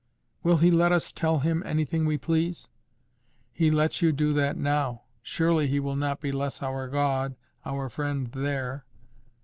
"Will He let us tell Him anything we please?" "He lets you do that now: surely He will not be less our God, our friend there."